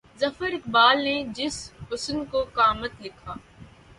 ظفر اقبال نے جس حُسن کو قامت لکھا